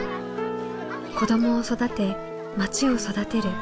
子どもを育てまちを育てる。